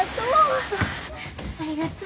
ありがとう。